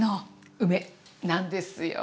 梅なんですよ。